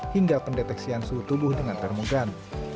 hingga pendeteksian suhu tubuh dengan termogan